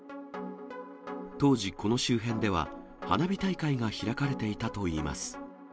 当時、この周辺では、花火大会が開かれていたといいます。